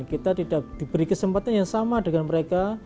kita tidak diberi kesempatan yang sama dengan mereka